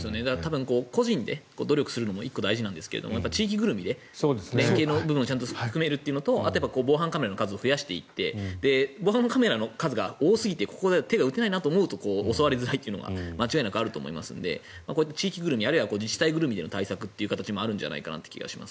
個人で努力するのも１個大事なんですが地域ぐるみで連携の部分を深めるというのとあとは防犯カメラの数を増やしていって防犯カメラの数が多すぎてここでは手が打てないと思うと襲われづらいというのは間違いなくあると思いますのでこういった地域ぐるみ自治体ぐるみの対策というのもあるんじゃないかという気がします。